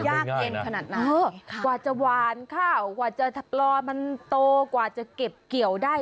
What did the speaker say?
ยากเย็นขนาดนั้นกว่าจะหวานข้าวกว่าจะปลอมันโตกว่าจะเก็บเกี่ยวได้